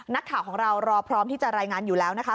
นักข่าวของเรารอพร้อมที่จะรายงานอยู่แล้วนะคะ